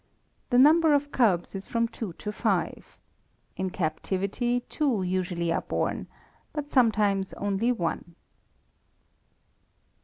The number of cubs is from two to five. In captivity two usually are born, but sometimes only one.